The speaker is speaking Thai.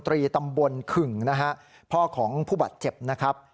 ตรีตำบลขึ่งนะฮะพ่อของผู้บาดเจ็บนะครับ